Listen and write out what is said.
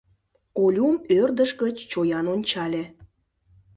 Олюм ӧрдыж гыч чоян ончале.